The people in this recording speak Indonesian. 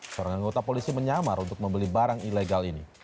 seorang anggota polisi menyamar untuk membeli barang ilegal ini